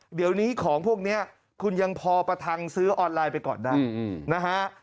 เดี๋ยวนี้ของพวกนี้คุณยังพอประทังซื้อออนไลน์ไปก่อนได้นะฮะ